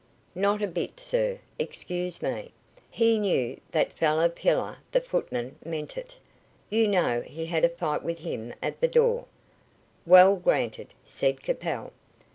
"Not a bit, sir, excuse me. He knew that fellow Pillar, the footman, meant it. You know he had a fight with him at the door." "Well, granted," said Capel.